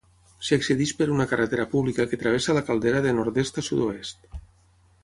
S'hi accedeix per una carretera pública que travessa la caldera de nord-est a sud-oest.